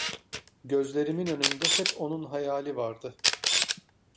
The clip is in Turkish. Gözlerimin önünde hep onun hayali vardı.